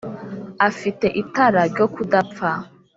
afite itara ryo kudapfa.